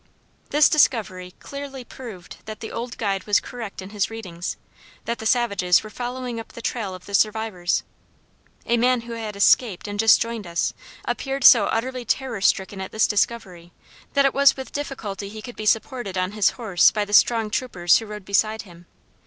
This discovery clearly proved that the old guide was correct in his readings, that the savages were following up the trail of the survivors. A man who had escaped and just joined us, appeared so utterly terror stricken at this discovery, that it was with difficulty he could be supported on his horse by the strong troopers who rode beside him.